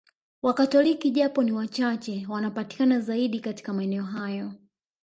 Wakatoliki japo ni wachache wanapatikana zaidi katika maeneo hayo